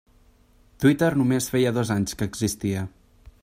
Twitter només feia dos anys que existia.